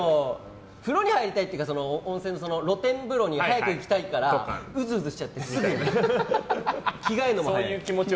風呂に入りたいっていうか温泉の露天風呂に早く行きたいからうずうずしちゃってすぐ行く。